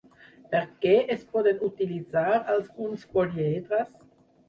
Per què es poden utilitzar alguns políedres?